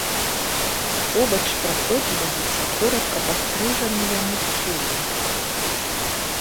Побач праходжваліся коратка пастрыжаныя мужчыны.